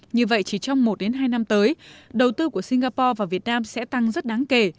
như vậy chỉ trong một hai năm tới đầu tư của singapore vào việt nam sẽ tăng rất đáng kể